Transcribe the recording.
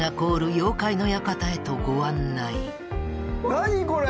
何これ！？